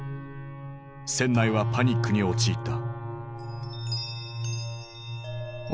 船内はパニックに陥った。